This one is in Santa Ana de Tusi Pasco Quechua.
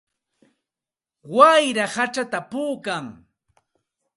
Wayra hachata puukan.